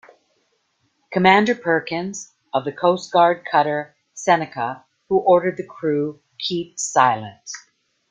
Commander Perkins of the Coast Guard cutter Seneca, who ordered the crew keep silent.